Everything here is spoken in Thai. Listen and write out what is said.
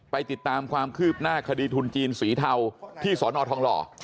ติดตามความคืบหน้าคดีทุนจีนสีเทาที่สอนอทองหล่อ